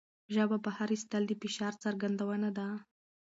ژبه بهر ایستل د فشار څرګندونه ده.